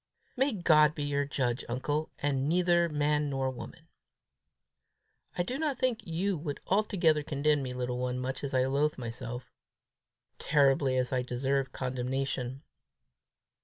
"May God be your judge, uncle, and neither man nor woman!" "I do not think you would altogether condemn me, little one, much as I loathe myself terribly as I deserve condemnation."